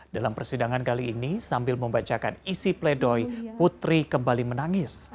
dalam persidangan kali ini sambil membacakan isi pledoi putri kembali menangis